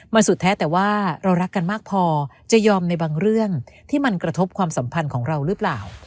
มันสุดแท้แต่ว่าเรารักกันมากพอจะยอมในบางเรื่องที่มันกระทบความสัมพันธ์ของเราหรือเปล่า